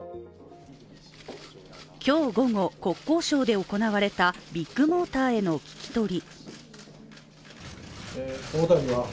今日午後、国交省で行われたビッグモーターへの聞き取り。